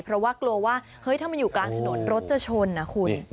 เพราะว่ากลัวว่าเฮ้ยถ้ามันอยู่กลางถนนรถจะชนนะคุณ